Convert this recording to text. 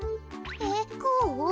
えっこう？